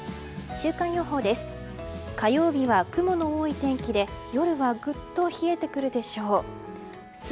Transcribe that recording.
週間予報です。